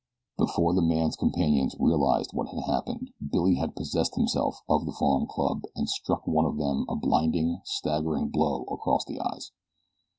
Before the man's companions realized what had happened Billy had possessed himself of the fallen club and struck one of them a blinding, staggering blow across the eyes.